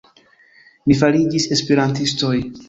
Ni fariĝis esperantistoj.